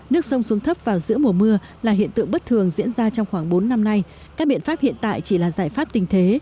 nước sông xuống thấp vào giữa mùa mưa là hiện tượng bất thường diễn ra trong khoảng bốn năm nay các biện pháp hiện tại chỉ là giải pháp tình thế